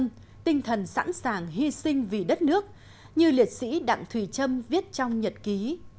nhật ký đặng thùy trâm tinh thần sẵn sàng hy sinh vì đất nước như liệt sĩ đặng thùy trâm viết trong nhật ký